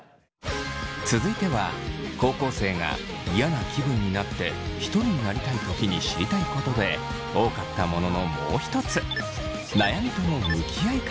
続いては高校生が嫌な気分になってひとりになりたいときに知りたいことで多かったもののもう一つ。